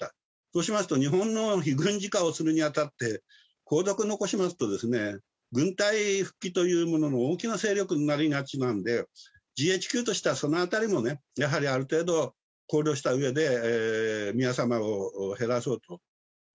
そうしますと、日本の非軍事化をするにあたって、皇族残しますと、軍隊復帰というものの大きな勢力になりがちなんで、ＧＨＱとしてはそのあたりも、やはりある程度考慮したうえで、宮さまを減らそうと。